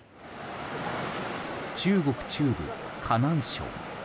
中国中部河南省。